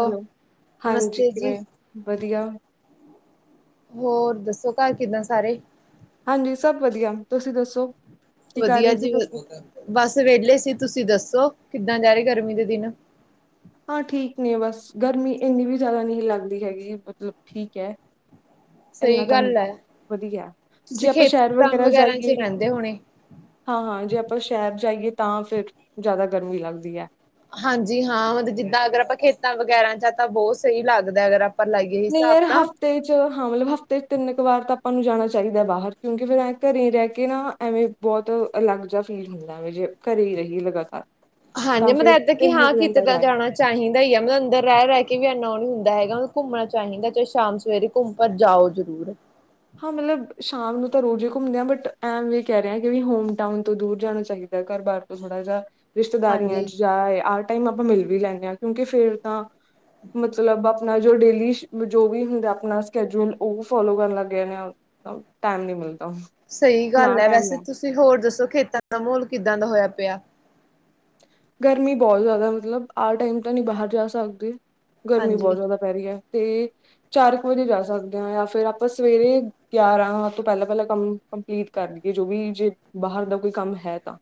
Hello, ਹਾਂਜੀ ਨਮਸਤੇ ਜੀ ਕਿਵੇਂ ਵਧੀਆ। ਹੋਰ ਦੱਸੋ, ਘਰ ਕਿੱਦਾਂ ਸਾਰੇ? ਹਾਂਜੀ ਸਭ ਵਧੀਆ, ਤੁਸੀਂ ਦੱਸੋ? ਕੀ ਕਰ ਵਧੀਆ ਰਹੇ ਸੀ ਜੀ, ਤੁਸੀਂ ਬਸ ਵੇਹਲੇ ਸੀ ਤੁਸੀਂ ਦੱਸੋ? ਕਿੱਦਾਂ ਜਾ ਰਹੀ, ਗਰਮੀ ਦੇ ਦਿਨ? ਹਾਂ ਠੀਕ ਬਸ ਗਰਮੀ ਇੰਨੀ ਵੀ ਜ਼ਿਆਦਾ ਨਹੀਂ ਲੱਗਦੀ, ਹੈਗੀ ਮਤਲਬ ਠੀਕ ਹੈ । ਇੰਨਾ ਸਹੀ ਤਾਂ ਨਹੀਂੀ ਗੱਲ ਹੈ ਵਧੀਆ ਜੇ ਤੁਸੀਂ ਆਪਾਂ ਸ਼ਹਿਰ ਖੇਤਾਂ ਵਗੈਰਾ ਜਾਈਏ ਚ ਰਹਿੰਦੇ ਹੋਣੇ ਹਾਂ, ਹਾਂ ਜੇ ਆਪਾਂ ਸ਼ਹਿਰ ਜਾਈਏ ਤਾਂ ਫੇਿਰ ਜ਼ਿਆਦਾ ਗਰਮੀ ਲੱਗਦੀ ਹੈ। ਹਾਂਜੀ ਹਾਂ ਮਤਲਬ ਜਿੱਦਾਂ ਅਗਰ ਆਪਾਂ ਖੇਤਾਂ ਵਗੈਰਾ ਚ ਤਾਂ ਬਹੁਤ ਸਹੀ ਲੱਗਦੈ ਅਗਰ ਆਪ ਨਹੀਂ ਯਾਰ ਹਫ਼ਤੇ ਚ ਹਾਂ ਮਤਲਬ ਹਫ਼ਤੇ ਚ ਤਿੰਨ ਕੁ ਵਾਰ ਤਾਂ ਤੁਹਾਨੂੰ ਜਾਣਾ ਚਾਹੀਦਾ ਬਾਹਰ ਕਿਉਂਕਿ ਫਿਰ ਘਰੇ ਹੀ ਰਹਿ ਕੇ ਨਾ ਐਵੇਂ ਬਹੁਤ ਅਲੱਗ ਜਿਹਾ ਫੀਲ ਹੁੰਦਾਵੇ ਜੇ ਘਰੇ ਹੀ ਰਹੀ ਲਗਾਤਾਰ ਹਾਂਜੀ ਤਾਂ ਫਿਰ ਮਤਲਬ ਇੱਦਾਂ ਕਿ ਤਿੰਨ ਹਾਂ ਕੁ ਦਿਨ ਕਿਤੇ ਤਾਂ ਜਾਏ ਜਾਣਾ ਚਾਹੀਦਾ ਹੀ ਆ ਮਤਬ ਅੰਦਰ ਰਹਿ ਰਹਿ ਕੇ ਵੀ ਇੰਨਾ ਉਹ ਨਹੀਂ ਹੁੰਦਾ ਹੈਗਾ ਉਨੁੰ ਘੁੰਮਣਾ ਚਾਹੀਦਾ ਚਾਹੇ ਸ਼ਾਮ ਸਵੇਰੇ ਘੁੰਮ ਪਰ ਜਾਓ ਜ਼ਰੂਰ ਹਾਂ ਮਤਲਬ ਸ਼ਾਮ ਨੂੰ ਤਾਂ ਰੋਜ਼ ਹੀ ਘੁੰਮਦੇ ਆਾਂ ਬਟ ਐਮ ਵੀ ਕਹਿ ਰਹੇ ਕਿ ਹੋਮਟਾਊਨ ਤੋਂ ਦੂਰ ਜਾਣਾ ਚਾਹੀਦਾ ਘਰ ਬਾਰਰ ਤੋਂ ਥੋੜਾ ਜਿਹਾ ਰਿਸ਼ਤੇਦਾਰੀਆਂ ਹਾਂਜੀ ਚ ਜਾ ਆਏ ਟਾਈਮ ਆਪਾਂ ਮਿਲ ਵੀ ਲੈਂਦੇ ਹ ਕਿਉਂਕਿ ਫੇਰ ਤਾਂ ਮਤਲਬ ਆਪਣਾ ਜੋ ਡੇਲੀ ਸ਼ ਜੋ ਵੀ ਹੁੰਦਾ ਆਪਣਾ ਸਕੈਜਯ੍ਹੂਲ ਉਹ ਫੋਲੋ ਕਰਨ ਲੱਗ ਪੈਨੇ ਆ ਟਾਈਮ ਨੀ ਮਿਲਦਾ ਹੁਣ ਸਹੀ ਗੱਲ ਆਹ ਹੈ ਟਾਈਮ ਵੈਸੇ ਤੁਸੀਂ ਹੋਰ ਦੱਸੋ ਖੇਤਾਂ ਦਾ ਮਾਹੌਲ ਕਿੱਦਾਂ ਦਾ ਹੋਇਆ ਪਿਆ ਗਰਮੀ ਬਹੁਤ ਜ਼ਿਆਦਾ ਮਤਲਬ ਆ ਟਾਈਮ ਤਾਂ ਨਹੀਂ ਬਾਹਰ ਜਾ ਸਕਦੇ ਗਰਮੀ ਬਹੁਤ ਹਾਂਜੀ। ਜ਼ਿਆਦਾ ਪੈ ਰਹੀ ਹੈ ਤੇ ਚਾਰ ਕੁ ਵਜੇ ਜਾ ਸਕਦੇ ਹਾਂ ਜਾਂ ਫੇਰ ਆਪਾਂ ਸਵੇਰੇ ਗਿਆਰਾਂ ਤੋਂ ਪਹਿਲਾਂ ਪਹਿਲਾਂ ਕੰਮ ਕੰਪਲੀਟ ਕਰ ਦੀਏ ਜੋ ਵੀ ਜੇ ਬਾਹਰ ਦਾ ਕੋਈ ਕੰਮ ਹੈ ਤਾਂ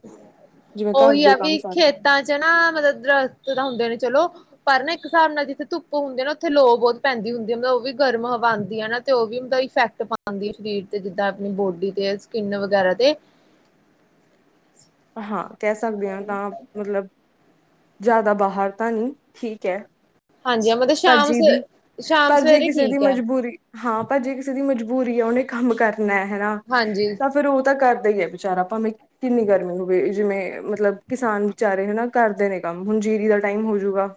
ਜਿਵੇਂ ਘਰ ਉਹੀ ਦੇ ਆ ਕੰਮ ਵੀ ਸਾਰੇ ਖੇਤਾਂ ਚ ਨਾ ਮਤਲਬ ਦਰਖਤ ਤਾਂ ਹੁੰਦੇ ਨੇ ਚਲੋ ਪਰ ਨਾ ਇੱਕ ਹਿਸਾਬ ਨਾਲ ਜਿੱਥੇ ਧੁੱਪ ਹੁੰਦੀ ਨਾ ਉੱਥੇ ਲੋ ਬਹੁਤ ਪੈਂਦੀ ਹੁੰਦੀ ਹੈ ਮਤਲਬ ਉਹ ਵੀ ਗਰਮ ਹਵਾ ਆਉਂਦੀ ਹੈ ਨਾ ਤੇ ਉਹ ਵੀ ਮਤਦਾ ਇਫੈਕਟ ਪਾਉਂਦੀ ਹੈ ਸਰੀਰ ਤੇ ਜਿੱਦਾਂ ਆਪਣੀ ਬੋਡੀ ਤੇ ਸਕਿੰਨ ਵਗੈਰਾ ਤੇ ਹਾਂ ਕਹਿ ਸਕਦੇ ਹਾਂ ਤਾਂ ਮਤਲਬ ਜ਼ਿਆਦਾ ਬਾਹਰ ਤਾਂ ਨਹੀਂ ਠੀਕ ਹੈ ਹਾਂਜੀ ਮਤਲਬ ਪਰ ਸ਼ਾਮ ਸ ਜੀ ਦੀ ਸ਼ਾਮ ਪਰ ਜੇ ਸਵੇਰੇ ਕਿਸੇ ਦੀ ਠੀਕ ਹੈ ਮਜਬੂਰੀ ਹਾਂ ਪਰ ਜੇ ਕਿਸੇ ਦੀ ਮਜਬੂਰੀ ਆ ਉਹਨੇ ਕੰਮ ਕਰ ਨੈ ਹਨਾ ਹਾਂਜੀ। ਤਾਂ ਫੇਿਰ ਉਹ ਤਾਂ ਕਰ ਦਾ ਹੀ ਹੈ ਵਿਚਾਰਾ ਭਾਵੇਂ ਕਿੰਨੀ ਗਰਮੀ ਹੋਵੇ ਜਿਵੇਂ ਮਤਲਬ ਕਿਸਾਨ ਵਿਚਾਰੇ ਹਨਾ ਕਰਦੇ ਨੇ ਕੰਮ ਹੁਣ ਜੀਰੀ ਦਾ ਟਾਈਮ ਹੋਜੂਗਾ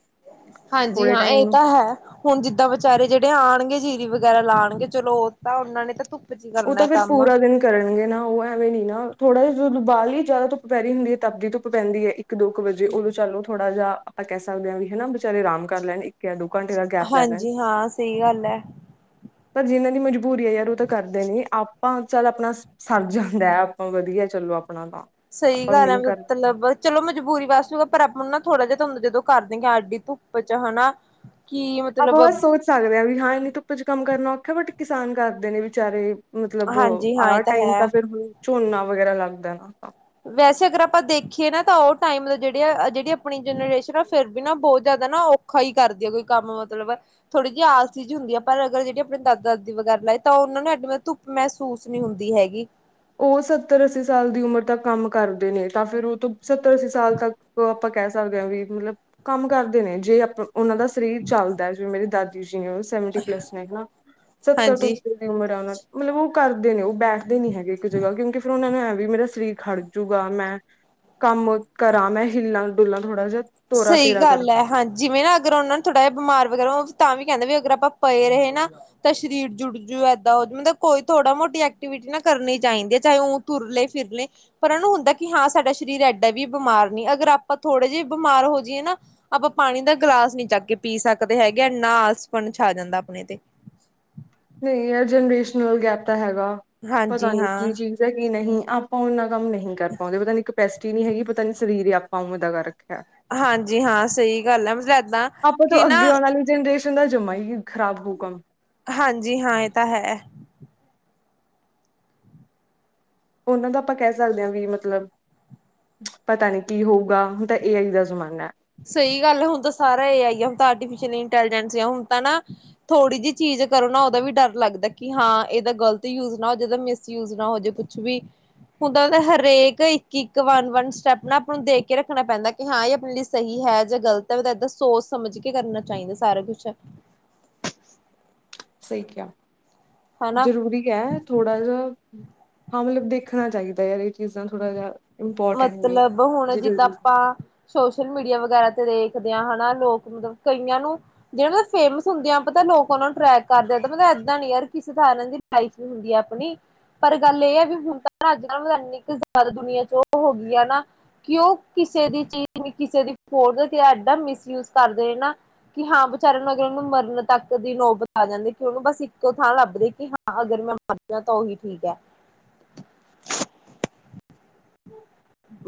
ਹਾਂਜੀ ਥੋੜੇ ਹਾਂ ਇਹ ਟਾਈਮ ਤਾਂ ਹੈ ਹੁਣ ਜਿੱਦਾਂ ਵਿਚਾਰੇ ਜਿਹੜੇ ਆਉਣਗੇ ਜੀ ਵਗੈਰਾ ਲਾਣਗੇ ਚਲੋ ਉਹ ਤਾਂ ਉਹਨਾਂ ਨੇ ਤਾਂ ਧੁਪ ਉਹ ਤਾਂ ਫੇਰ ਪੂਰਾ ਦਿਨ ਕਰਨਗੇ ਨਾ ਉਹ ਐਵੇਂ ਨੀ ਨਾ ਥੋੜਾ ਜਦੋਂ ਬਾਲੀ ਈ ਜ਼ਾਦਾ ਧੁੱਪ ਪੈ ਰੀ ਹੁੰਦੀ ਹੈ ਤਪਦੀ ਧੁੱਪ ਪੈਂਦੀ ਹੈ ਇਕ ਇੱਕ ਦੋ ਕੁ ਵਜੇ ਉਦੋਂ ਚਲ ਥੋੜਾ ਜਿਹਾ ਆਪਾਂ ਕਹਿ ਸਕਦੇ ਹਾਂ ਵੀ ਹੈਨਾ ਵਿਚਾਰੇ ਆਰਾਮ ਕਰ ਲੈਣ ਇੱਕ ਜਾਂ ਦੋ ਘੰਟੇ ਦਾ ਗੈਪ ਲੈ ਲੈਣ ਹਾਂਜੀ ਹਾਂ ਸਹੀ ਗੱਲ ਹੈ ਪਰ ਜਿਹਨਾਂ ਦੀ ਮਜਬੂਰੀ ਹੈ ਯਾਰ ਦੇ ਨੇ ਆਪ ਆਪਾਂ ਚੱਲ ਆਪਣਾ ਸਰ ਜਾਂਦੈ ਆਪਾਂ ਵਧੀਆ ਚਲੋ ਆਪ ਸਹੀ ਗੱਲ ਹੈ, ਮਤਲਬ ਚਲੋ ਮਜਬੂਰੀ ਵਾਸਤੇ ਪਰ ਆਪਾਂ ਨੂੰ ਨਾ ਥੋੜਾ ਜਿਹਾ। ਤੁਹਾਨੂੰ ਜਦੋਂ [unintelligible] ਸਾਡੀ ਧੁੱਪ ਚ ਹਨਾ। ਕੀ ਆਪਾਂ ਮਤਲਬ ਬਸ ਸੋਚ ਸਕਦੇ ਹਾਂ ਵੀ ਹਾਂ ਬੀ ਇਨੀਂ ਧੂੱਪ ਚ ਕੰਮ ਕਰਨਾ। ਬਟ ਕਿਸਾਨ ਕਰਦੇ ਨੇ ਵਿਚਾਰੇ, ਮਤਲਬ ਹਾਂਜੀ ਹਾਂ ਆਹ ਇਹ ਟਾਈਮ ਹੈ। ਤਾਂ ਫਿਰ ਹੁਣ ਝੋਨਾ ਵਗੈਰਾ ਲੱਗਦੈ। ਹਾਂ, [inaudible] ਵੈਸੇ ਅਗਰ ਆਪਾਂ ਦੇਖੀਏ, ਨਾ ਤਾਂ ਉਹ ਟਾਇਮ ਜਿਹੜੇ ਜਿਹੜੀ ਆਪਣੀ ਜਨਰੇਸ਼ਨ ਆ ਫੇਰ ਵੀ ਨਾ ਬਹੁਤ ਜ਼ਿਆਦਾ ਨਾ ਔਖਾ ਹੀ ਕਰਦੀ ਸੀ ਕੰਮ ਮਤਲਬ ਥੋੜੀ ਜਿਹੀ ਆਲਸੀ ਹੁੰਦੀ ਆ ਪਰ ਅਗਰ ਜਿਹੜੀ ਆਪ ਦਾਦਾ-ਦਾਦੀ ਵਗੈਰਾ ਲਾਏ ਤਾਂ ਉਹਨਾਂ ਨੂੰ ਧੁੱਪ ਮਹਿਸੂਸ ਨਹੀਂ ਹੁੰਦੀ ਹੈਗੀ। ਉਹ ਸੱਤਰ ਅੱਸੀ ਸਾਲ ਦੀ ਉਮਰ ਤੱਕ ਕੰਮ ਕਰਦੇ ਨੇ ਤਾਂ ਫਿਰ ਉਹ ਤੋਂ ਸੱਤਰ ਅੱਸੀ ਸਾਲ ਤੱਕ ਆਪਾਂ ਕਹਿ ਸਕਦੇ ਹਾਂ, ਵੀ ਮਤਲਬ ਕੰਮ ਕਰਦੇ ਨੇ ਜੇ ਆਪ ਉਹਨਾਂ ਦਾ ਸਰੀਰ ਚੱਲਦਾ ਜਿਵੇਂ ਮੇਰੀ ਦਾ ਦੀ ਨੇ ਉਹ ਸੈਵਟੀ ਪਲੱਸ ਨੇ ਹਨਾ, ਸੱਤਰ ਤੋਂ ਹਾਂਜੀ। ਉੱਪਰ ਦੀ ਉਮਰ ਹੈ ਉਹਨਾਂ ਮਤਲਬ ਉਹ ਕਰਦੇ ਨੇ ਉਹ ਬੈਠਦੇ ਨੀ ਹੈ। ਜਗਾ ਕਿਉਂਕਿ ਫਿਰ ਉਹਨਾਂ ਨੂੰ ਐ ਵੀ ਮੇਰਾ ਸਰੀਰ ਖੜ ਜੂਗਾ ਮੈਂ ਕੰਮ ਕਰਾਂ ਮੈਂ ਹਿੱਲਾਂ ਡੁਲਾਂ ਥੋੜਾ ਜਿਹਾ, ਤੋਰਾ ਸਹੀ ਫੇਰਾ ਕਰਾਂ ਗੱਲ ਹੈ, ਹਾਂ ਜਿਵੇਂ ਨਾ ਅਗਰ ਉਹਨਾਂ ਨੂੰ ਥੋੜਾ ਜਿਹਾ ਬਿਮਾਰ ਵਗੈਰਾ ਤਾਂ ਵੀ ਕਹਿੰਦਾ ਵੀ ਅਗਰ ਆਪਾਂ ਪਏ ਰਹੇ ਨਾ ਤਾਂ ਸਰੀਰ ਜੁੜ ਜੂ ਏਦਾਂ ਹੋ ਜੂ ਮਤਲਬ ਕੋਈ ਥੋੜਾ ਮੋਟੀ ਐਕਟੀਵਿਟੀ ਨਾ ਕਰਨੀ ਚਾਹੀਦੀ ਹੈ ਚਾਹੇ ਉਹ ਤੁਰਲੇ ਫਿਰਲੇ ਏ ਪਰ ਉਹਨ ਨੂੰ ਹੁੰਦਾ ਕਿ ਹਾਂ ਸਾਡਾ ਸਰੀਰ ਐਡਾਂ ਵੀ ਬਿਮਾਰ ਨੀ ਅਗਰ ਆਪਾਂ ਥੋੜੇ ਜਿਹੇ ਬਿਮਾਰ ਹੋ ਜਾਈਏ ਨਾ ਆਪਾਂ ਪਾਣੀ ਦਾ ਗਿਲਾਸ ਨੀ ਚੱਕ ਕੇ ਪੀ ਸਕਦੇ ਹੈਗੇ, ਏਨਾ ਆਲਸਪਣ ਛਾ ਜਾਂਦਾ ਆਪਣੇ ਤੇ। ਨਹੀਂ ਯ ਜਨਰੇਸ਼ਨਲ ਗੈਪ ਤਾਂ ਹੈ ਪਤਾ ਹਾਂਜੀ ਨੀ ਹਾਂ ਕੀ ਚੀਜ਼ ਹੈ ਕੀ ਨਹੀਂ, ਆਪਾ ਕੰਮ ਨਹੀਂ ਕਰ ਪਾਉਂਦੇ ਪਤਾ ਨੀ ਇੱਕ ਪੈਸੇ ਨਹੀਂ ਹੈਗੀ ਪਤਾ ਨੀ ਸਰੀਰ ਹੀ ਆਪਾਂ ਉਵੇਂ ਦਾ ਕਰ ਰੱਖਿਆ। ਹਾਂਜੀ ਹਾਂ ਸਹੀ ਗੱਲ ਹੈ। ਏਦਾਂ ਆਪਾਂ ਤੋਂ ਕਿ ਨਾ ਅੱਗੇ ਆਉਣ ਵਾਲੀ ਜਨਰੇਸ਼ਨ ਚੰਗਾ ਜੰਮਾ ਹੀ ਖਰਾਬ ਹੋਉ ਕੰਮ, ਹਾਂਜੀ ਹਾਂ ਇਹ ਤਾਂ ਹੈ, ਉਹਨਾਂ ਦਾ ਆਪਾਂ ਕਹਿ ਸਕਦੇ ਹਾਂ ਵੀ ਮਤਲਬ ਪਤਾ ਨੀ ਕੀ ਹੋਊਗਾ, ਹੁਣ ਤਾਂ ਏ ਆਈ ਦਾ ਜ਼ਮਾਨਾ ਹੈ। ਸਹੀ ਗੱਲ ਹੁਣ ਤਾਂ ਸਾਰਾ ਏ ਆਈ ਐ ਹੁਣ ਆਰਟੀਫਿਸ਼ ਇੰਟੈਲੀਜੈਂਸ ਹੁਣ ਤਾਂ ਨਾ ਥੋੜੀ ਜਿਹੀ ਚੀਜ਼ ਕਰੋ ਨਾ ਉਹਦਾ ਵੀ ਡਰ ਲੱਗਦਾ, ਕਿ ਹਾਂ ਇਹਦਾ ਗ਼ਲਤ ਯੂਜ ਨਾ ਹੋ ਏਦਾ ਮਿਸਯੂਜ ਨਾ ਹੋ ਜੇ ਕੁਛ ਵੀ ਹੁਣ ਤਾਂ ਹਰੇਕ ਇੱਕ ਇੱਕ ਵਨ ਵਨ ਸਟੈਪ ਨਾ ਆਪ ਨੂੰ ਦੇਖ ਕੇ ਰੱਖਣਾ ਪੈਂਦਾ ਕਿ ਹਾਂ ਇਹ ਆਪਣੀ ਲਈ ਸਹੀ ਹੈ ਜਾਂ ਗ਼ਲਤ ਹੈ, ਉਹ ਤਾਂ ਏਦਾਂ ਸੋਚ ਸਮਝ ਕੇ ਕਰਨਾ ਚਾਹੀਦਾ ਸਾਰਾ ਕੁਛ ਠੀਕ ਏ, ਹਨਾ ਜ਼ਰੂਰੀ ਹੈ ਥੋੜਾ ਜਿ ਹਾਂ ਮਤਲਬ ਦੇਖਣਾ ਚਾਹੀਦਾ ਯਾਰ ਇਹ ਚੀਜ਼ਾਂ ਥੋੜਾ ਜਿਹਾ, ਇੰਪੋਰਟੈਂਟ ਨੇ ਮਤਲਬ ਹੁਣ ਜਿੱਦਾਂ ਜ਼ਰੂਰੀ ਹੈ, ਆਪਾਂ ਸੋਸ਼ਲ ਮੀਡੀਆ ਵਗੈਰਾ। ਦੇਖਦੇ ਆ ਹਨਾ, ਲੋਕ ਮਤਲਬ ਕਈਆਂ ਨੂੰ ਜਿਹੜੇ ਮਤਲਬ ਫੇਮਸ ਹੁੰਦੇ ਆ ਪਤਾ ਲੋਕ ਉਹ ਨੂੰ ਟਰੈਕ ਕਰਦੇ ਆ ਮਤਲਬ ਏਦਾਂ ਨੀ ਯਾਰ ਕਿਸੇ ਥਰ ਇਹਨਾਂ ਦੀ ਲਾਈਫ ਨੀ ਹੁੰਦੀ ਆਪਣੀ ਪਰ ਗੱਲ ਇਹ ਹੈ, ਵੀ ਹੁਣ ਤਾਂ ਅੱਜ ਕੱਲ ਮਤਲਬ ਇੰਨੀ ਕੁ ਜ਼ਿਆਦਾ ਦੁਨੀਆਂ ਚੋਂ ਔ ਹੋ ਗਿਆ ਨਾ ਕਿ ਉਹ ਕਿਸੇ ਦੀ ਚੀਜ਼ ਕਿਸੇ ਦੀ ਖੋਰ ਦਾ ਤੇ ਐਡਾ ਮਿਸਯੂਜ ਕਰਦੇ ਨਾ ਕਿ ਹਾਂ ਵਿਚਾਰਿਆਂ ਨੂੰ ਅਗਰ ਉਹਨੂੰ ਮਰਨ ਤੱਕ ਦੀ ਨੋਬਤ ਆ ਜਾਂਦੇ ਕਿ ਉਹਨੂੰ ਬਸ ਇੱਕੋ ਥਾਂ ਲੱਭਦੇ ਕਿ ਹਾਂ ਅਗਰ ਮੈਂ ਮਰਜਾ ਤਾਂ ਉਹੀ ਠੀਕ ਹੈ।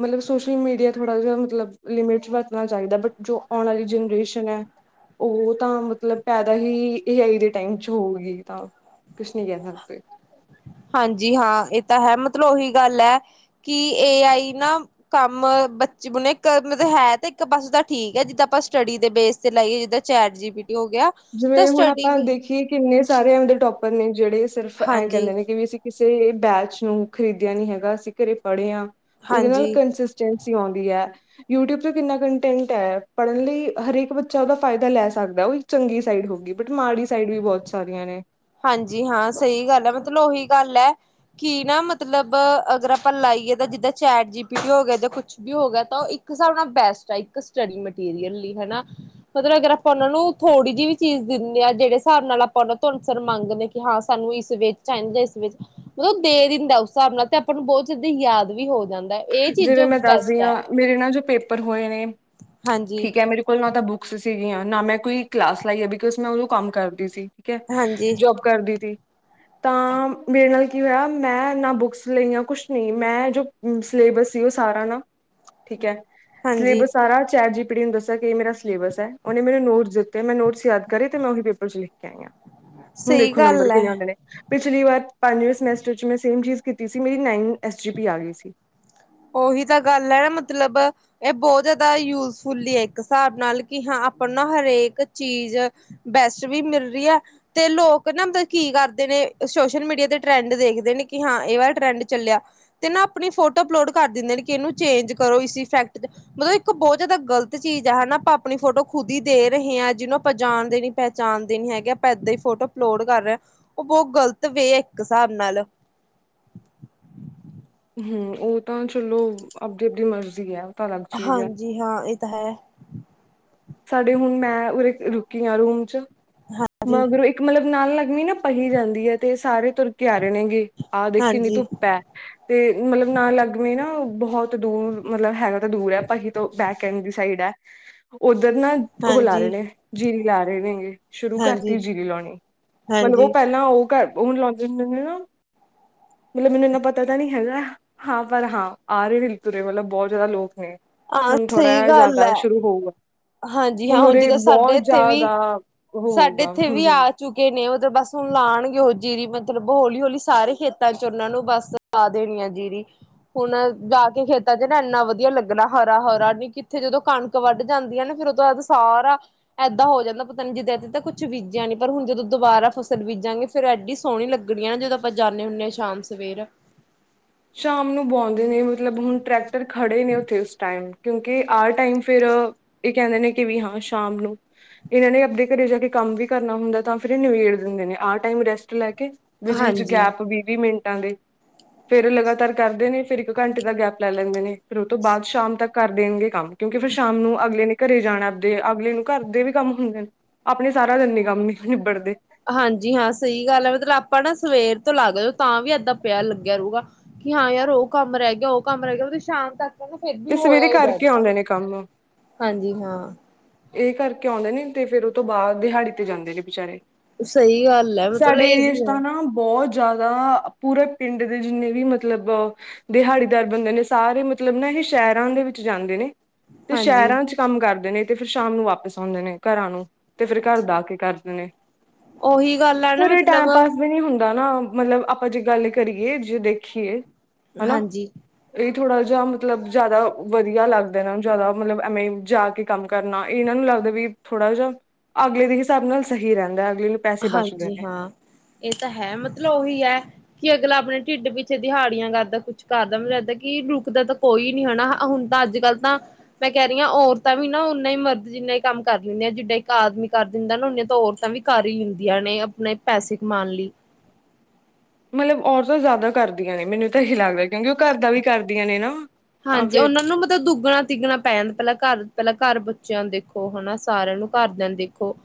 ਮਤਲਬ ਸੋਸ਼ਲ ਮੀਡੀਆ, ਥੋੜ੍ਹਾ ਜਿਹਾ ਮਤਲਬ ਲਿਮਿਟ ਚ ਵਰਤਣਾ ਚਾਹੀਦਾ, ਬਟ ਜੋ ਆਉਣ ਵਾਲੀ ਜਨਰੇਸ਼ਨ ਹੈ ਉਹ ਤਾਂ ਮਤਲਬ ਪੈਦਾ ਹੀ ਐ ਆਈ ਦੇ ਟਾਈਮ ਚ ਹੋਗੀ, ਤਾਂ ਕੁਛ ਨ ਕਹਿ ਸਕਦੇ। ਹਾਂਜੀ ਹਾਂ ਇਹ ਤਾਂ ਹੈ, ਮਤਲਬ ਉਹੀ ਗੱਲ ਹੈ ਕਿ ਏ ਆਈ ਨਾ ਕੰਮ ਬੱਚੇ ਬਨ ਇੱਕ ਮਤਲਬ ਹੈ ਤੇ ਇੱਕ ਪਾਸ ਤਾਂ ਠੀਕ ਹੈ, ਜਿੱਦਾਂ ਆਪਾਂ ਸਟੱਡੀ ਦੇ ਬੇਸ ਤੇ ਲਾਈਏ ਜਿੱਦਾਂ ਚੈਟ ਜੀਪੀ ਟੀ। ਹੋ ਗਿਆ ਤਾਂ ਜਿਵੇਂ ਹੁਣ ਸਟੱਡੀ ਆਪਾਂ ਵੀ ਦੇਖੀਏ, ਕਿੰਨੇ ਸਾਰੇਆਂ ਦੇ ਟੋਪ ਪੱਲੇ ਜਿਹੜੇ ਸਿਰਫ ਐ, ਹਾਂਜੀ ਕਹਿੰਦੇ ਨੇ ਕਿ ਵੀ ਅਸੀਂ ਕਿਸੇ ਵੀ [unintelligible] ਬੈਚ ਨੂੰ ਖਰੀਦਿਆ ਨੀ ਹੈਗਾ, ਅਸੀਂ ਘਰੇ ਪੜੇ ਹਾਂ। ਉਹਦੇ ਨਾਲ ਹਾਂਜੀ ਕੰਸਿਸਟੈਂਸੀ ਆਉਂਦੀ ਹੈ। ਯੂਟਿਊਬ ਤੋਂ ਕਿੰਨਾ ਕੰਟੈਂਟ ਹੈ। ਪੜ੍ਹਨ ਲਈ ਹਰੇਕ ਬੱਚਾ ਉਹਦਾ ਫਾਇਦਾ ਲੈ ਸਕਦਾ। ਉਹੀ ਚੰਗੀ ਸਾਈਡ ਹੋ ਗਈ ਬਟ ਮਾੜੀ ਸਾਈਡ ਵੀ ਬਹੁਤ ਸਾਰੀਆਂ ਨੇ। ਹਾਂਜੀ-ਹਾਂ, ਸਹੀ ਗੱਲ ਹੈ। ਮਤਲਬ, ਉਹੀ ਗੱਲ ਹੈ ਕਿ ਨਾ ਮਤਲਬ ਅਗਰ ਆਪਾਂ ਲਾਈਏ ਤਾਂ ਜਿੱਦਾਂ ਚੈਟ ਜੀ ਪੀ ਟੀ ਹੋ ਗਿਆ ਜਾਂ ਕੁਛ ਵੀ ਹੋ ਗਿਆ ਤਾਂ ਉਹ ਇੱਕ ਹਿਸਾਬ ਨਾਲ ਬੈਸਟ ਹੈ ਇੱਕ ਸਟੱਡੀ ਮਟੀਰੀਅਲ ਲਈ। ਹਨਾ, ਮਤਲਬ ਅਗਰ ਆਪਾਂ ਉਹਨਾਂ ਨੂੰ ਥੋੜ੍ਹੀ ਜਿਹੀ ਵੀ ਚੀਜ਼ ਦਿੰਦੇ ਹਾਂ। ਜਿਹੜੇ ਹਿਸਾਬ ਨਾਲ ਆਪਾਂ ਉਹਨਾਂ ਤੋਂ ਸਰ ਮੰਗਦੇ ਕਿ ਹਾਂ ਸਾਨੂੰ ਇਸ ਵੇ ਚ ਚਾਹੀਦਾ, ਇਸ ਵੇ ਚ। ਮਤਲਬ ਉਹ ਦੇ ਦਿੰਦਾ ਉਸ ਹਿਸਾਬ ਨਾਲ ਤੇ ਆਪਾਂ ਨੂੰ ਬਹੁਤ ਜਲਦੀ ਯਾਦ ਵੀ ਹੋ ਜਾਂਦਾ। ਇਹ ਚੀਜ਼ ਜਿਵੇਂ ਮੈਂ ਬੈਸਟ ਦੱਸਦੀ ਹੈ ਹਾਂ, ਮੇਰੇ ਨਾਲ ਜੋ ਪੇਪ ਪਰ ਹੋਇਆ ਇਹ ਹਾਂਜੀ ਠੀਕ ਹੈ। ਮੇਰੇ ਕੋਲ ਨਾ ਤਾਂ ਬੁੱਕ ਬੁਕਸ ਸੀਗੀਆਂ। ਨਾ ਮੈਂ ਕੋਈ ਕਲਾਸ ਲਾਈ ਆ ਬਿਕੋਜ਼ ਮੈਂ ਉਦੋਂ ਕੰਮ ਕਰਦੀ ਸੀ। ਠੀਕ ਹੈ, ਹਾਂਜੀ ਜੋਬ ਕਰਦੀ ਸੀ। ਤਾਂ ਮੇਰੇ ਨਾਲ ਕੀ ਹੋਇਆ, ਮੈਂ ਨਾ ਬੁੱਕਸ ਲਈਆ। ਕੁਛ ਨਹੀਂ, ਮੈਂ ਜੋ ਸਿਲੇਬਸ ਸੀ, ਉਹ ਸਾਰਾ ਨਾ। ਠੀਕ ਹੈ। ਹਾਂਜੀ ਸਿਲੇਬਸ ਸਾਰਾ ਚੈਟ ਜੀ ਪੜੀ ਨੂੰ ਦੱਸਿਆ ਕਿ ਇਹ ਮੇਰਾ ਸਿਲੇਬਸ ਹੈ। ਉਹਨੇ ਮੈਂਨੂੰ ਨੋਟਸ ਦਿੱਤੇ। ਮੈਂ ਨੋਟਸ ਯਾਦ ਕਰੇ ਤੇ ਮੈਂ ਉਹੀ ਪੇਪਰ ਚ ਲਿਖ ਕੇ ਆਈ ਆ। ਹੁਣ ਸਹੀ ਦੇਖੋ, ਨੰਬਰ ਗੱਲ ਕਿੰਨੇ ਹੈ ਆਉਂਦੇ ਨੇ। ਪਿਛਲੀ ਵਾਰ, ਪੰਜਵੇਂ ਸਮੈਸਟਰ 'ਚ ਮੈਂ ਸੇਮ ਚੀਜ਼ ਕੀਤੀ ਸੀ। ਮੇਰੀ ਨਾਈਨ ਐੱਸ ਜੀ ਪੀ ਆ ਗਈ ਸੀ। ਉਓਹੀ ਤਾਂ ਗੱਲ ਹੈ। ਨਾ, ਮਤਲਬ ਇਹ ਬਹੁਤ ਜਿਆਦਾ ਯੂਜਫੁੱਲ ਹੈ, ਇੱਕ ਹਿਸਾਬ ਨਾਲ ਕਿ ਹਾਂ ਆਪਾਂ ਨੂੰ ਨਾ, ਹਰੇਕ ਚੀਜ਼ ਬੈਸਟ ਵੀ ਮਿਲ ਰਹੀ ਹੈ ਤੇ ਲੋਕ ਨਾ ਮਤਲਬ ਕੀ ਕਰਦੇ ਨੇ, ਸੋਸ਼ਲ ਮੀਡੀਆ ਤੇ ਟਰੈਂਡ ਦੇਖਦੇ ਨੇ ਕਿ ਹਾਂ ਇਹ ਵਾਲਾ ਟਰੈਂਡ ਚੱਲਿਆ ਤੇ ਨਾ ਆਪਣੀ ਫੋਟੋ ਅਪਲੋਡ ਕਰ ਦਿੰਦੇ ਨੇ ਕਿ ਇਹਨੂੰ ਚੇਂਜ ਕਰੋ ਇਸ ਇਫੈਕਟ ਤੇ। ਮਤਲਬ, ਇੱਕ ਬਹੁਤ ਜਿਆਦਾ ਗ਼ਲਤ ਚੀਜ਼ ਆ। ਹਨਾ, ਆਪਾਂ ਆਪਣੀ ਫੋਟੋ ਖੁਦ ਹੀ ਦੇ ਰਹੇ ਹਾਂ। ਜਿਹਨੂੰ ਆਪਾਂ ਜਾਣਦੇ ਨੀ, ਪਹਿਚਾਣਦੇ ਨੀ ਹੈਗੇ। ਆਪਾਂ ਏਦਾਂ ਹੀ ਫੋਟੋ ਅਪਲੋਡ ਕਰ ਰਹੇ ਆ। ਉਹ ਬਹੁਤ ਗ਼ਲਤ ਵੇ ਆ ਇੱਕ ਹਿਸਾਬ ਨਾਲ। ਹਮ, ਉਹ ਤਾਂ ਚਲੋ, ਆਪਦੀ-ਆਪਦੀ ਮਰਜ਼ੀ ਹੈ। ਤਾਂ ਅਲੱਗ ਚੀਜ਼ ਹੈ ਹਾਂਜੀ, ਹਾਂ। ਇ ਤਾ ਹੈ ਸਾਡੇ ਹੁਣ ਮੈਂ, ਉਰੇ, ਰੁਕੀ ਆ ਰੂਮ ਚ। ਹਾਂਜੀ ਮਗਰੋਂ, ਇੱਕ ਮਤਲਬ ਨਾਲ ਲੱਗਮੀ ਨਾ, ਪਹੀ ਜਾਂਦੀ ਹੈ ਤੇ ਸਾਰੇ ਤੁਰ ਕੇ ਆ ਰਹੇ ਨੇਗੇ। ਆਹ ਦੇਖ, ਕਿੰਨੀ ਹਾਂਜੀ ਧੁੱਪ ਹੈ। ਤੇ ਮਤਲਬ ਨਾਲ ਲੱਗਵੇ ਨਾ ਬਹੁਤ ਦੂਰ, ਮਤਲਬ ਹੈਗਾ ਤਾਂ ਦੂਰ ਹੈ ਪਹੀ ਤੋਂ ਬੈਕ ਐਡ ਦੀ ਸਾਈਡ ਹੈ। ਉ ਉੱਧਰ ਨਾ, ਉਹ ਲਾ ਰਹੇ ਹਾਂਜੀ, ਨੇ। ਜੀਰੀ ਲਾ ਰਹੇ ਨੇਗੇ। ਸ਼ੁਰੂ ਹਾਂਜੀ, ਕਰਤੀ ਜੀਰੀ ਲਾਉਣੀ। ਮਤਲਬ, ਉਹ ਹਾਂਜੀ। ਪਹਿਲਾਂ, ਉਹ ਉਹ ਘਰ ਉਹ ਲਾਉਂਦੇ ਹੁੰਦੇ ਨੇ ਨਾ। ਮਤਲਬ ਮੈਨੂੰ ਇਨਾ ਪਤਾ ਤਾਂ ਨੀ ਹੈਗਾ। ਹਾਂ ਪਰ ਹਾਂ ਆ ਰਹੇ ਨੇ ਤੁਰੇ ਮਤਲਬ, ਬਹੁਤ ਜਿਆਦਾ ਲੋਕ ਨੇ। ਹਾਂ ਹੁਣ ਥੋੜ੍ਹਾ ਸਹੀ ਜਿਹਾ ਗੱਲ ਜ਼ਿਆਦਾ, ਹੈ, ਸ਼ੁਰੂ ਹੋਊਗਾ। ਹਾਂਜੀ ਹਾਂ ਹੁਣ ਉਰੇ, ਜਿੱਦਾਂ ਸਾਡੇ ਬਹੁਤ ਇੱਥੇ ਵੀ ਜ਼ਿਆਦਾ ਸਾਡੇ ਹੋਊਗਾ ਇੱਥੇ ਹਮ ਵੀ ਆ ਹਮ ਚੁੱਕੇ ਨੇ ਉਹ ਬਸ ਹੁਣ ਲਾਉਣਗੇ ਉਹ ਜੀਰੀ ਮਤਲਬ ਹੌਲੀ ਹੌਲੀ ਸਾਰੇ ਖੇਤਾਂ ਚ ਉਹਨਾਂ ਨੂੰ ਬਸ ਲਾ ਦੇਣੀ ਆ ਜੀਰੀ ਹੁਣ ਜਾ ਕੇ ਖੇਤਾਂ ਚ ਨਾ ਇੰਨਾ ਵਧੀਆ ਲੱਗਣਾ ਹਰਾ ਹਰਾ ਨੀ ਕਿੱਥੇ ਜਦੋਂ ਕਣਕ ਵੱਢ ਜਾਂਦੀ ਫਿਰ ਉਹਦੋਂ ਬਾਅਦ ਸਾਰਾ ਇਏਦਾਂ ਹੋ ਜਾਂਦਾ ਪਤਾ ਨੀ ਜਿੱਦਾਂ ਇਦ ਤਾਂ ਕੁਛ ਬੀਜਿਆ ਨੀ ਪਰ ਹੁਣ ਜਦੋਂ ਦੁਬਾਰਾ ਫਸਲ ਬੀਜਾਂਗੇ ਫਿਰ ਐਡੀ ਸੋਹਣੀ ਲੱਗਣੀ ਆ ਨਾ ਜਦੋਂ ਆਪਾਂ ਜਾਂਦੇ ਹੁੰਦੇ ਹਾਂ ਸ਼ਾਮ ਸਵੇਰ ਸ਼ਾਮ ਨੂੰ ਬੁਉਂਦੇ ਨੇ ਮਤਲਬ ਹੁਣ ਟਰੈਕ ਖੜੇ ਨਹੀਂ ਉਸ ਟਾਈਮ ਕਿਉਂਕਿ ਆਹ ਟਾਈਮ ਫਿਰ ਇਹ ਕਹਿੰਦੇ ਨੇ ਕਿ ਵੀ ਹਾਂ ਸ਼ਾਮ ਨੂੰ ਇਹਨਾਂ ਨੇ ਆਪਣੇ ਘਰੇ ਜਾ ਕੇ ਕੰਮ ਵੀ ਕਰਨਾ ਹੁੰਦਾ ਤਾਂ ਫਿਰ ਇਹ ਨਿਬੇੜ ਦਿੰਦੇ ਨੇ ਆਹ ਟਾਈਮ ਰੈਸਟ ਲੈ ਕੇ ਵਿੱਚ ਵਿੱਚ ਹਾਂਜੀ। ਗੈਪ ਵੀਹ ਵੀਹ ਮਿੰਟ ਤਾਂਗੇ ਫੇਰ ਲਗਾਤਾਰ ਕਰਦੇ ਨੇ ਫੇਿਰ ਇੱਕ ਘੰਟੇ ਦਾ ਗੈਪ ਲੈ ਲੈਂਦੇ ਨੇ ਫਿਰ ਉਹ ਤੋਂ ਬਾਅਦ ਸ਼ਾਮ ਤੱਕ ਕਰ ਦੇਣਗੇ ਕੰਮ ਕਿਉਂਕਿ ਫਿਰ ਸ਼ਾਮ ਨੂੰ ਅਗਲੇ ਨੇ ਘਰੇ ਜਾਣਾ ਆਪਦੇ ਅਗਲੇ ਨੂੰ ਘਰ ਦੇ ਵੀ ਕੰਮ ਹੁੰਦੇ ਨੇ ਆਪਣੇ ਸਾਰਾ ਦਿਨੇ ਕੰਮ ਹੀ ਨਿਬੜਦੇ ਹਾਂਜੀ ਹਾਂ ਸਹੀ ਗੱਲ ਹੈ ਮਤਲਬ ਆਪਾਂ ਨਾ ਸਵੇਰ ਤੋਂ ਲਾਗ ਜਾ ਤਾਂ ਵੀ ਇਏਦਾਂ ਪਿਆ ਲੱਗਿਆ ਰਹੂਗਾ ਕਿ ਹਾਂ ਯਾਰ ਉਹ ਕੰਮ ਰਹਿ ਗਿਆ ਉਹ ਕੰਮ ਰਹਿ ਗਿਆ ਮਤਲਬ ਸ਼ਾਮ ਤੱਕ ਕਹਿੰਦਾ ਫਿਰ ਵੀ ਇਹ ਸਵੇਰੇ ਹੋਇਆ ਹੀ ਕਰਕੇ ਰਹਦਾ ਆਉਂਦੇ ਨੇ ਕੰਮ ਹਾਂਜੀ ਹਾਂ ਇਹ ਕਰਕੇ ਆਉਂਦੇ ਨੇ ਤੇ ਫੇਰ ਉਹ ਤੋਂ ਬਾਅਦ ਦਿਹਾੜੀ ਤੇ ਜਾਂਦੇ ਨੇ ਬਚਾਰੇ ਸਹੀ ਗੱਲ ਹੈ ਮਤਲਬ ਇਹੀ ਆ ਤਾਂ ਨਾ ਬਹੁਤ ਜ਼ਿਆਦਾ ਪੂਰੇ ਪਿੰਡ ਦੇ ਜਿੰਨੇ ਵੀ ਮਤਲਬ ਦਿਹਾੜੀਦਾਰ ਬੰਦੇ ਨੇ ਸਾਰੇ ਮਤਲਬ ਨਾ ਇਹ ਸ਼ਹਿਰਾਂ ਦੇ ਵਿੱਚ ਜਾਂਦੇ ਨੇ ਤੇ ਹਾਂਜੀ। ਸ਼ਹਿਰਾਂ ਚ ਕੰਮ ਕਰਦੇ ਨੇ ਤੇ ਫਿਰ ਸ਼ਾਮ ਨੂੰ ਵਾਪਿਸ ਆਉਂਦੇ ਨੇ ਘਰਾਂ ਨੂੰ ਤੇ ਫਿਰ ਘਰ ਦਾ ਕੇ ਕਰਦੇ ਨੇ ਉਹੀ ਗੱਲ ਹੈ ਨਾ ਫਿਰ ਇਹ ਮਤਲਬ ਟਾਈਮ ਪਾਸ ਵੀ ਨਹੀਂ ਹੁੰਦਾ ਨਾ ਮਤਲਬ ਆਪਾਂ ਜੇ ਗੱਲ ਕਰੀਏ ਜੇ ਦੇਖੀਏ ਹਾਂਜੀ ਥੋੜ੍ਹਾ ਜਹਾ ਮਤਲਬ ਜਿਆਦਾ ਵਧੀਆ ਲੱਗਦਾ ਨਾ ਜ਼ਿਆਦਾ ਮਤਲਬ ਐਵੇਂ ਜਾ ਕੇ ਕੰਮ ਕਰਨਾ ਇਹਨਾਂ ਨੂੰ ਲੱਗਦਾ ਵੀ ਥੋੜਾ ਜਹਾ ਅਗਲੇ ਦੇ ਹਿਸਾਬ ਨਾਲ ਸਹੀ ਰਹਿੰਦਾ ਅਗਲੇ ਨੂੰ ਪੈਸੇ ਬਚਦੇ ਹਾਂਜੀ ਨੇ ਹਾਂ ਇਹ ਤਾਂ ਹੈ ਮਤਲਬ ਉਹੀ ਹੈ ਕਿ ਅਗਲਾ ਆਪਣੇ ਢਿੱਡ ਪਿੱਛੇ ਦਿਹਾੜੀਆਂ ਕਰਦਾ ਕੁਛ ਕਰਦਾ ਮੈਨੂੰ ਲੱਗਦਾ ਕਿ ਰੁਕਦਾ ਤਾਂ ਕੋਈ ਨੀ ਹੈਾ ਹੁਣ ਤਾਂ ਅੱਜ ਕੱਲ੍ਹ ਤਾਂ ਮੈਂ ਕਹਿ ਰਹੀ ਹਾਂ ਔਰਤਾਂ ਵੀ ਨਾ ਓਨਾ ਹੀ ਮਰਦ ਜਿੰਨਾ ਹੀ ਕੰਮ ਕਰਦੀ ਹੁੰਦੀਆਂ ਜਿੱਦਾਂ ਇੱਕ ਆਦਮੀ ਕਰ ਦਿੰਦਾ ਨਾ ਉਨੇ ਤਾਂ ਔਰਤਾਂ ਵੀ ਕਰੀ ਹੁੰਦੀਆਂ ਨੇ ਆਪਣੇ ਪੈਸੇ ਕਮਾਉਣ ਲਈ ਮਤਲਬ ਔਰਤਾਂ ਜ਼ਿਆਦਾ ਕਰਦੀਆਂ ਨੇ ਮੈਨੂੰ ਤਾਂ ਇਹੀ ਲੱਗਦਾ ਕਿਉਂਕਿ ਉਹ ਘਰ ਦਾ ਵੀ ਕਰਦੀਆਂ ਨੇ ਨਾ ਤਾਂ ਹਾਂਜੀ ਫਿਰ ਉਹਨਾਂ ਨੂੰ ਮਤਲਬ ਦੁੱਗਣਾ ਤਿੱਗਣਾ ਪੈ ਜਾਂਦਾ ਪਹਿਲਾਂ ਘਰ ਪਹਿਲਾਂ ਘਰ ਬੱਚਿਆਂ ਦੇਖੋ ਹਨਾ ਸਾਰਿਆਂ ਨੂੰ ਘਰਦਿਆਂ ਦੇਖੋ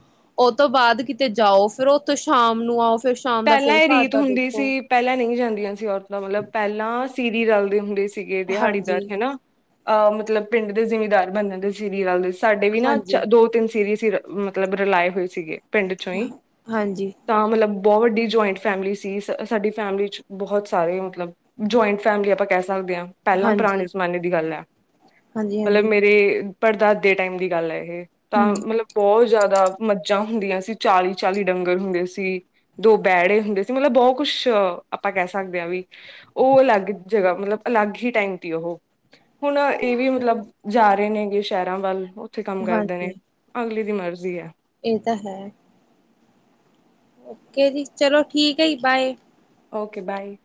ਉਹ ਤੋਂ ਬਾਅਦ ਕਿਤੇ ਜਾਓ ਫਿਰ ਉੱਥੋਂ ਸ਼ਾਮ ਨੂੰ ਆਓ ਫਿਰ ਸ਼ਾਮ ਦਾ ਪਹਿਲਾਂ ਫਿਰ ਇਹ ਘਰ ਰੀਤ ਦਾ ਹੁੰਦੀ ਦੇਖੋ ਸੀ ਪਹਿਲਾਂ ਨਹੀਂ ਜਾਂਦੀਆਂ ਸੀ ਔਰਤਾਂ ਮਤਲਬ ਪਹਿਲਾਂ ਸੀਰੀ ਰਲਦੇ ਹੁੰਦੇ ਸੀ ਸੀਗੇ ਦਿਹਾੜੀਦਾਰ ਹਾਂਜੀ ਹਨਾ ਅਹ ਮਤਲਬ ਪਿੰਡ ਦੇ ਜਿਮੀਦਾਰ ਬਣਣ ਦੇ ਸੀਰੀ ਰਲਦੀ ਸੀ ਸਾਡੇ ਵੀ ਨਾ ਹਾਂਜੀ ਦੋ ਤਿੰਨ ਸੀਰੀਜ਼ ਮਤਲਬ ਰਲਾਏ ਹੋਏ ਸੀਗੇ ਪਿੰਡ ਚੋਂ ਹੀ ਹਾਂਜੀ, ਤਾਂ ਮਤਲਬ ਬਹੁਤ ਵੱਡੀ ਜੁਆਇੰਟ ਫੈਮਿਲੀ ਸੀ ਸਾਡੀ ਫੈਮਿਲੀ ਚ, ਬਹੁਤ ਸਾਰੇ ਮਤਲਬ ਜੁਆਇੰਟ ਫੈਮਿਲੀ ਆਪਾਂ ਕਹਿ ਸਕਦੇ ਸਕਦੇ ਹਾਂ ਪਹਿਲਾਂ ਹਾਂਜੀ, ਪੁਰਾਣੇ ਜ਼ਮਾਨੇ ਦੀ ਗੱਲ ਹੈ, ਹਾਂਜੀ, ਮਤਲਬ ਹਾਂਜੀ। ਮੇਰੇ ਪੜਦਾਦੇ ਦੇ ਟਾਈਮ ਦੀ ਗੱਲ ਹੈ ਇਹ ਤਾਂ ਹੂੰ। ਮਤਲਬ ਬਹੁਤ ਜ਼ਿਆਦਾ ਮੱਝਾਂ ਹੁੰਦੀਆਂ ਸੀ ਚਾਲੀ ਚਾਲੀ ਡੰਗਰ ਹੁੰਦੇ ਸੀ ਦੋ ਬਹਿੜੇ ਹੁੰਦੇ ਸੀ ਮਤਲਬ ਬਹੁਤ ਕੁਛ ਆਪਾਂ ਕਹਿ ਸਕਦੇ ਹਾਂ ਵੀ ਉਹ ਅਲੱਗ ਜਗ੍ਹਾ ਮਤਲਬ ਅਲੱਗ ਹੀ ਟਾਈਮ ਸੀ ਉਹ ਹੁਣ ਇਹ ਵੀ ਮਤਲਬ ਜਾ ਰਹੇ ਨੇ ਸ਼ਹਿਰਾਂ ਵੱਲ ਉੱਥੇ ਕੰਮ ਕਰਦੇ ਨੇ ਹਾਂਜੀ, ਅਗਲੀ ਮਰਜ਼ੀ ਆ! ਇਹ ਤਾਂ ਹੈ! ਓਕੇ ਜੀ ਚਲੋ ਠੀਕ ਹੈ ਜੀ ਬਾਏ ਓਕੇ ਬਾਏ